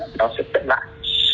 nó sẽ tận lại